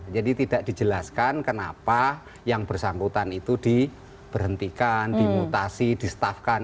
jadi tidak dijelaskan kenapa yang bersangkutan itu diberhentikan dimutasi distaffkan